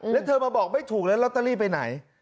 แล้วเธอมาบอกไม่ถูกแล้วลอตเตอรี่ไปไหน